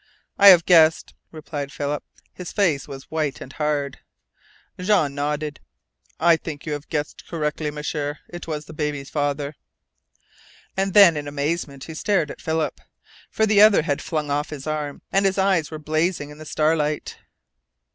"I have guessed," replied Philip. His face was white and hard. Jean nodded. "I think you have guessed correctly, M'sieur. It was the baby's father!" And then, in amazement, he stared at Philip. For the other had flung off his arm, and his eyes were blazing in the starlight.